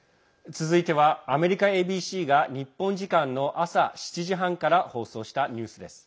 続いてはアメリカＡＢＣが日本時間の朝７時半から放送したニュースです。